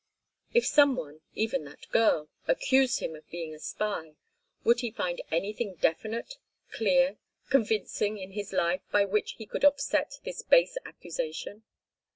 If some one, even that girl, accused him of being a spy, would he find anything definite, clear, convincing in his life by which he could offset this base accusation?